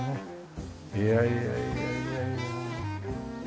いやいやいやいやいや。